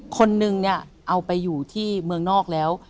คนนึงเนี่ยเอาไปอยู่ที่เมืองนอกแล้ว